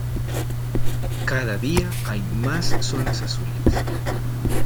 Cada día hay más zonas azules.